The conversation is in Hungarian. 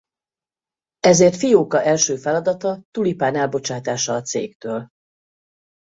Ezért Fióka első feladata Tulipán elbocsátása a cégtől.